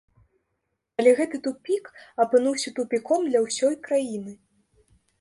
Але гэты тупік апынуўся тупіком для ўсёй краіны.